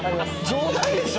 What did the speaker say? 冗談でしょ？